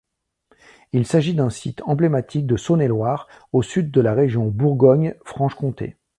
Il s'agit d'un site emblématique de Saône-et-Loire, au sud de la région Bourgogne-Franche-Comté.